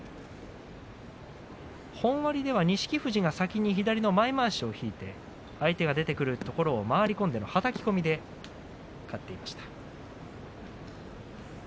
本割では錦富士が先に左の前まわしを引いて相手が出てくるところを回り込んでのはたき込みで勝っていました。